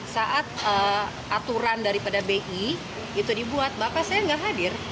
saat aturan daripada bi itu dibuat bapak saya nggak hadir